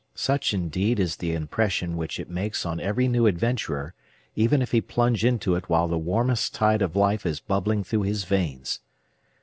Such, indeed, is the impression which it makes on every new adventurer, even if he plunge into it while the warmest tide of life is bubbling through his veins.